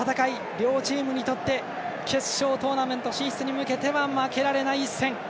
両チームにとって決勝トーナメント進出に向けては負けられない一戦。